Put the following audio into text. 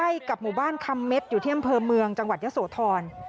กับหมู่บ้านคำเม็ดอยู่ที่อำเภอเมืองจังหวัดยะโสธร